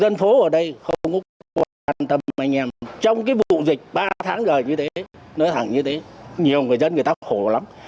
nói thẳng như thế nhiều người dân người ta khổ lắm